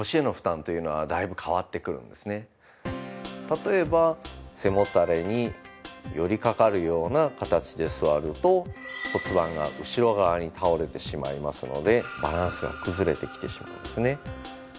例えば背もたれに寄りかかるような形で座ると骨盤が後ろ側に倒れてしまいますのでバランスが崩れてきてしまうんですね。